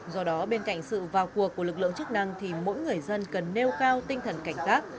do đó bên cạnh sự vào cuộc của lực lượng chức năng thì mỗi người dân cần nêu cao tinh thần cảnh giác